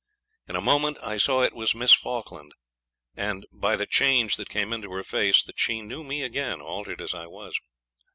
In a moment I saw it was Miss Falkland, and, by the change that came into her face, that she knew me again, altered as I was.